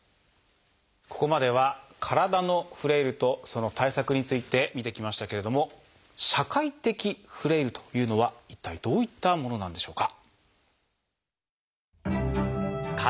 ここまでは「体のフレイル」とその対策について見てきましたけれども「社会的フレイル」というのは一体どういったものなんでしょうか。